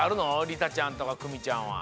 りたちゃんとかクミちゃんは。